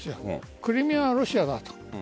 クリミアはロシアだと。